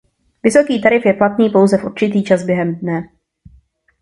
Vysoký tarif je platný pouze v určitý čas během dne.